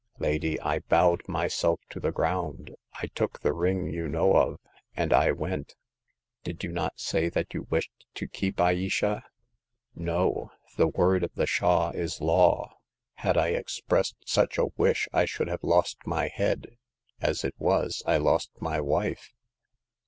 Lady, I bowed myself to the ground, I took the ring you know of, and I went.*' Did you not say that you wished to keep Ayesha ?"No ; the word of the Shah is law. Had I expressed such a wish I should have lost my head ; as it was, I lost my wife.